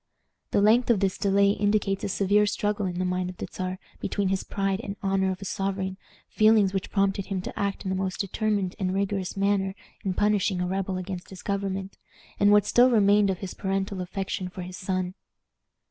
The length of this delay indicates a severe struggle in the mind of the Czar between his pride and honor as a sovereign, feelings which prompted him to act in the most determined and rigorous manner in punishing a rebel against his government, and what still remained of his parental affection for his son.